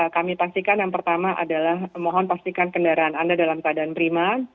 kami pastikan yang pertama adalah mohon pastikan kendaraan anda dalam keadaan prima